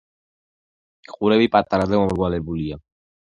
ყურები პატარა და მომრგვალებულია.